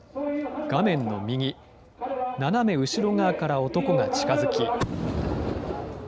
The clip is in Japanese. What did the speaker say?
画面の右、斜め後ろ側から男が近づき。